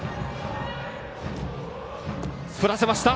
振らせました！